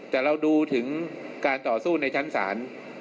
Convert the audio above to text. แต่เราดูถึงการต่อสู้ในชั้นศาล